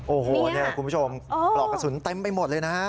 โอ้โหเนี่ยคุณผู้ชมปลอกกระสุนเต็มไปหมดเลยนะฮะ